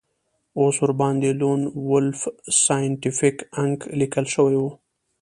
اوس ورباندې لون وولف سایینټیفیک انک لیکل شوي وو